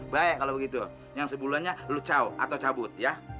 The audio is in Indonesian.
baik kalau begitu yang sebulannya lucau atau cabut ya